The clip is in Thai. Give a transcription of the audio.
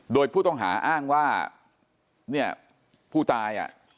โดยผู้ต้องหาอ้างว่าเนี่ยผู้ตายอ่ะ